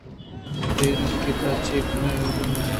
دیر اِنت ترا چے کنئے اِدانوں برو